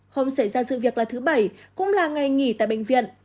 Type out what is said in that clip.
không xảy ra sự việc là thứ bảy cũng là ngày nghỉ tại bệnh viện